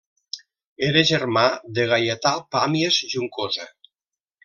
Era germà de Gaietà Pàmies Juncosa.